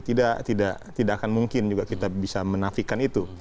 tidak akan mungkin juga kita bisa menafikan itu